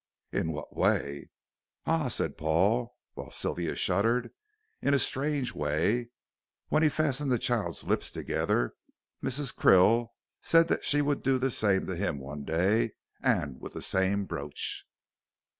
"In what way?" "Ah," said Paul, while Sylvia shuddered, "in a strange way. When he fastened the child's lips together, Mrs. Krill said that she would do the same to him one day and with the same brooch."